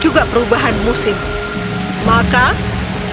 kau akan menemukan alam yang akan menyebabkan hidupmu